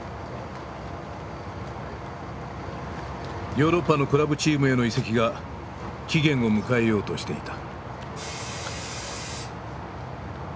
ヨーロッパのクラブチームへの移籍が期限を迎えようとしていた。